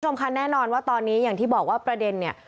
สำคัญแน่นอนว่าตอนนี้อย่างที่บอกว่าประเด็นเนี่ย